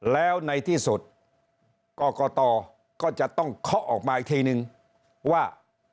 แล้วในที่สุดกรกตก็จะต้องเคาะออกมาอีกทีนึงว่า